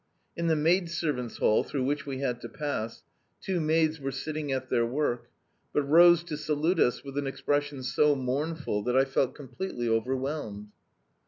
In the maidservants' hall, through which we had to pass, two maids were sitting at their work, but rose to salute us with an expression so mournful that I felt completely overwhelmed.